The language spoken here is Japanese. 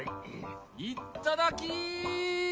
いっただき。